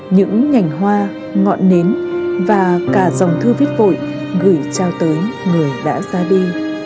những ngành hoa ngọn nến và cả dòng thư viết vội gửi trao tới người đã ra đi